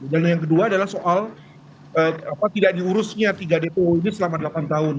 yang kedua adalah soal tidak diurusnya tiga dpo ini selama delapan tahun